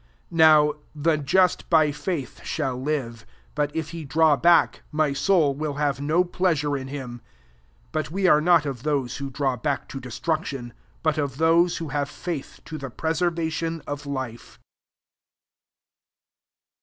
'' 38 Now, " the just by faith shall live : but if he draw back, my soul will have no pleasure in him.'' 39 But we are not of those who draw back to destruc tion; but of those who have faith to the preservation of life.